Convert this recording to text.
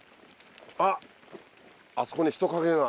あっあそこに人影が。